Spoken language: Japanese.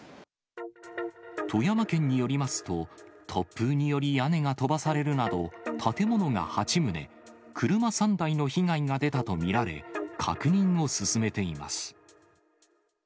富山県によりますと、突風により屋根が飛ばされるなど、建物が８棟、車３台の被害が出たと見られ、確認を進めています。